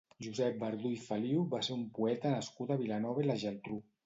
Josep Verdú i Feliu va ser un poeta nascut a Vilanova i la Geltrú.